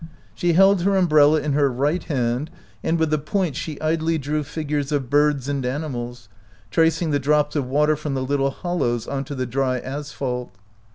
She held her umbrella in her right hand, and with the point she idly drew figures of birds and animals, tracing the drops of water from the little hollows on to the dry asphalt.